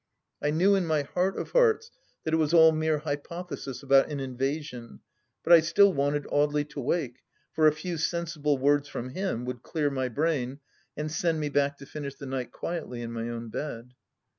I knew in my heart of hearts that it was all mere hypothesis about an invasion, but I still wanted Audely to wake, for a few sensible words from him would clear my brain and send me back to finish the night quietly in my own bed.